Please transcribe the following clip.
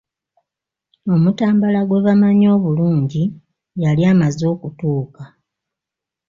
Omutambala gwe bamanyi obulungi yali amaze okutuuka.